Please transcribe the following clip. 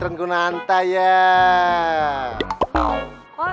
katanya kenapa kita berangkat